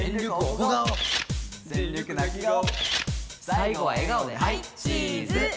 「最後は笑顔ではいチーズ！」